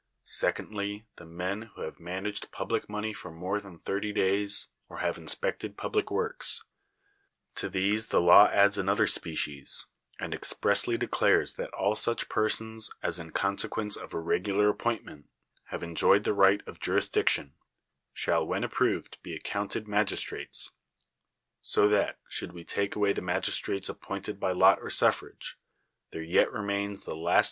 Secondly, the men who have managed public money for more than thirty days, or have inspected public works. To these the law adds another species, and expressly declares that all such persons as, in (ionsequence of a regular appointment, have enjoyed the i ight of jurisdiction, shall when approved be accounted magisti'ates: so that, should we take away the magistrates appointed by lot or suflVag' \, llicre yet remains the last I